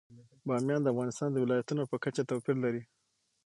بامیان د افغانستان د ولایاتو په کچه توپیر لري.